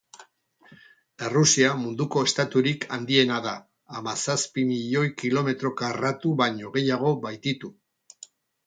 Errusia munduko estaturik handiena da, hamazazpi milioi kilometro karratu baino gehiago baititu.